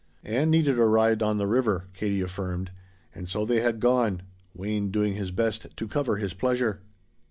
Ann needed a ride on the river, Katie affirmed, and so they had gone, Wayne doing his best to cover his pleasure.